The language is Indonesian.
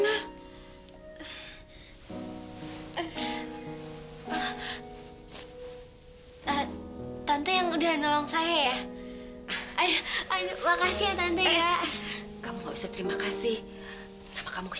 tante aku gak mau